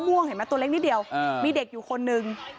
เห็นไหมตัวเล็กนิดเดียวอ่ามีเด็กอยู่คนนึง